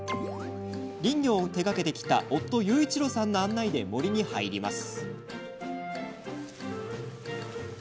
林業を手がけてきた夫、雄一郎さんの案内で森に入ります。